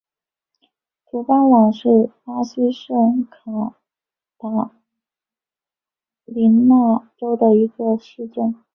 图巴朗是巴西圣卡塔琳娜州的一个市镇。